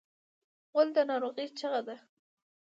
غول د ناروغۍ چیغه ده.